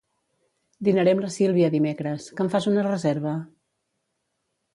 Dinaré amb la Sílvia dimecres, que em fas una reserva?